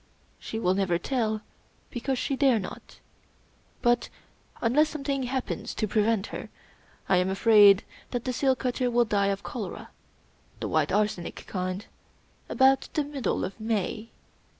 She will never tell, because she dare not; but, unless something happens to prevent her, I am afraid that the seal cutter will die of cholera — the white arsenic kind — about the middle of May.